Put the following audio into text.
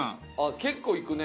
結構行くね。